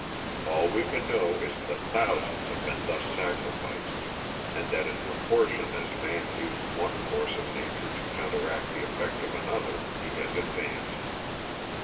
All we can know is that thousands have been thus sacrificed, and that in proportion as man used one force of nature to counteract the effect of another he has advanced.